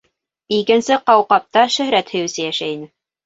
Икенсе ҡауҡабта шөһрәт һөйөүсе йәшәй ине.